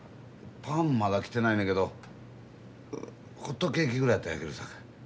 パンまだ来てないねんけどホットケーキぐらいやったら焼けるさかい。